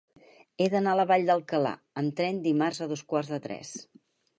He d'anar a la Vall d'Alcalà amb tren dimarts a dos quarts de tres.